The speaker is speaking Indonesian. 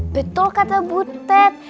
betul kata butet